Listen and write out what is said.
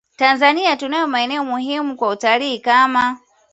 Tanzania tunayo maeneo muhimu kwa utalii kama